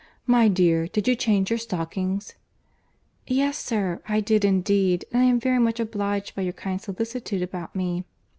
My dear, did you change your stockings?" "Yes, sir, I did indeed; and I am very much obliged by your kind solicitude about me."